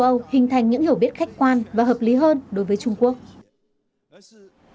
châu âu sẽ trở thành những hiểu biết khách quan và hợp lý hơn đối với trung quốc